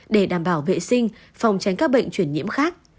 để đảm bảo vệ sinh phòng tránh các bệnh chuyển nhiễm khác